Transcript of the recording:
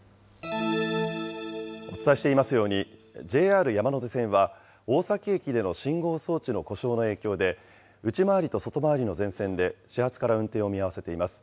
お伝えしていますように、ＪＲ山手線は大崎駅での信号装置の故障の影響で、内回りと外回りの全線で始発から運転を見合わせています。